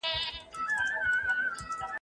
دا سیستم اوبه کموي او حاصل زیاتوي.